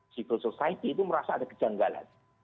civil society itu merasa ada kejanggalan